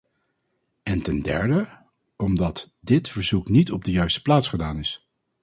En ten derde omdat dit verzoek niet op de juiste plaats gedaan is.